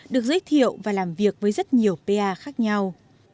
được giới thiệu và làm việc với rất nhiều pa khác nhau